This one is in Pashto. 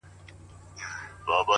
ژوند مي جهاني له نن سبا تمه شلولې ده -